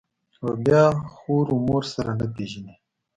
او بيا خور و مور سره نه پېژني.